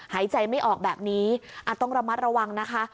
หายใจไม่ออกแบบนี้อาจต้องระมัดระวังนะคะ